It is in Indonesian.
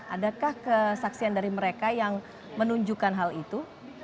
adakah kesaksian dari mereka yang menunjukkan hal itu